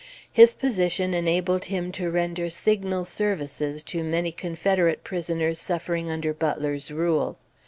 His position enabled him to render signal services to many Confederate prisoners suffering under Butler's rule.